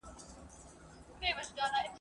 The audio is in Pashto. چي د بادام له شګوفو مي تکي سرې وي وني !.